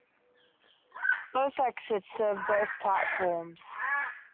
Both exits serve both platforms.